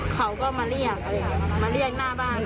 เขาก็มาเรียกมาเรียกหน้าบ้าน